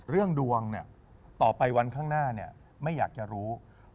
เรื่องดวงต่อไปวันข้างหน้าไม่อยากจะรู้